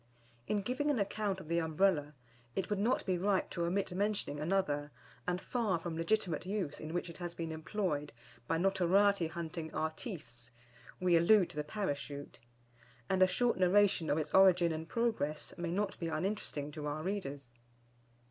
In giving an account of the Umbrella, it would not be right to omit mentioning another, and far from legitimate use in which it has been employed by notoriety hunting artistes we allude to the Parachute; and a short narration of its origin and progress may not be uninteresting to our readers.